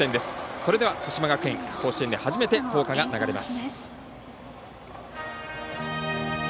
それでは、鹿島学園甲子園で初めて校歌が流れます。